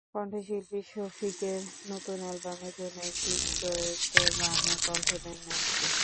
কণ্ঠশিল্পী শফিকের নতুন অ্যালবামের জন্য একটি দ্বৈত গানে কণ্ঠ দেন ন্যান্সি।